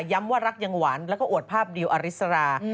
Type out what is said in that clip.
ว่ารักยังหวานแล้วก็อวดภาพดิวอริสรา